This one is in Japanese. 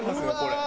これ！